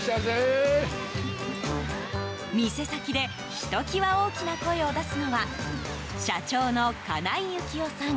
店先でひときわ大きな声を出すのは社長の金井孝雄さん